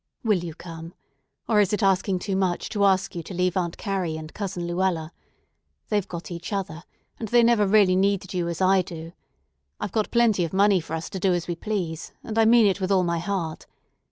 Will you come? Or is it asking too much to ask you to leave Aunt Carrie and Cousin Luella? They've got each other, and they never really needed you as I do. I've got plenty of money for us to do as we please, and I mean it with all my heart.